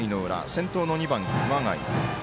先頭の２番、熊谷。